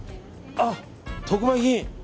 あ、特売品！